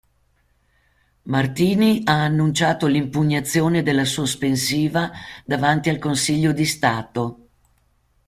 Martini ha annunciato l'impugnazione della sospensiva davanti al Consiglio di Stato.